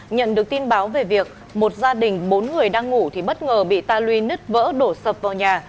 nhận được tin báo về việc một gia đình bốn người đang ngủ thì bất ngờ bị ta lui nứt vỡ đổ sập vào nhà